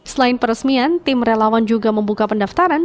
selain peresmian tim relawan juga membuka pendaftaran